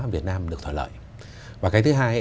việt nam được thỏa lợi và cái thứ hai